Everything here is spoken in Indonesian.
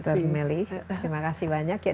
terima kasih banyak